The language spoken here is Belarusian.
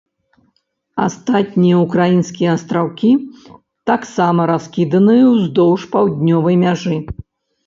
Астатнія ўкраінскія астраўкі таксама раскіданыя ўздоўж паўднёвай мяжы.